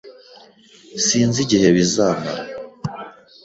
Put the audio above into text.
Sinzi igihe bizamara.